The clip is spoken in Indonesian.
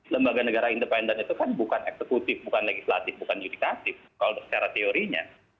lembaga negara independen itu kan bukan eksekutif bukan legislatif bukan yudikatif kalau secara teorinya